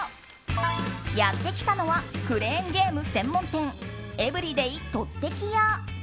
やってきたのはクレーンゲーム専門店エブリデイとってき屋。